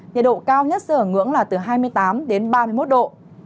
nhiệt độ cao nhất sẽ ở ngưỡng là từ hai mươi tám đến ba mươi một độ